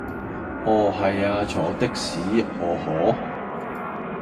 啊係呀坐的士啊可